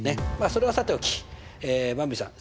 それはさておきばんびさん